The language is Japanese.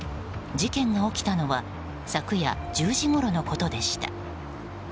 事件が起きたのは昨夜１０時ごろのことでした。